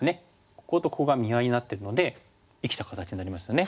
こことここが見合いになってるので生きた形になりますよね。